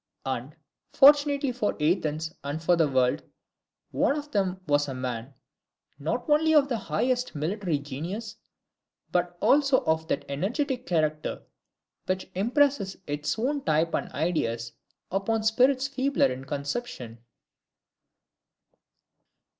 And, fortunately for Athens and for the world, one of them was a man, not only of the highest military genius, but also of that energetic character which impresses its own type and ideas upon spirits feebler in conception.